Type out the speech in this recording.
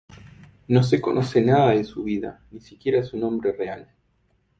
No se conoce nada de su vida, ni siquiera su nombre real.